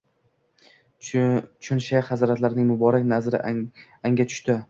Chun shayx hazratlarining muborak nazari anga tushti